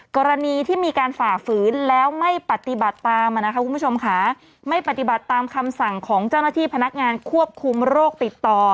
กรณีที่มีการฝากฝืนแล้วไม่ปฏิบัติตามคำสั่งของเจ้าหน้าที่พนักงานควบคุมโรคติดต่อ